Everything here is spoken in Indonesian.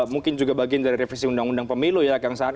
mungkin juga bagian dari revisi undang undang pemilu ya kang saan